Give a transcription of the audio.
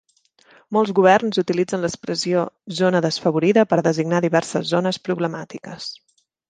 Molts governs utilitzen l'expressió "zona desfavorida" per designar diverses zones "problemàtiques".